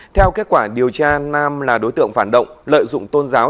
theo kết quả điều tra nam là đối tượng phản động lợi dụng tôn giáo